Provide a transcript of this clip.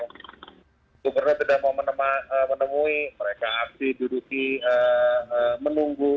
gubernur tidak mau menemui mereka aktif duduk menunggu